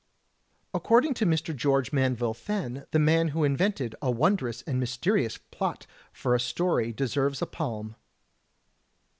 According to Mr. George Manville Fenn, the man who invented a wondrous and mysterious plot for a story deserves a palm.